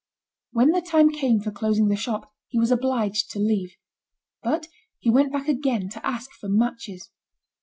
When the time came for closing the shop, he was obliged to leave. But he went back again to ask for matches.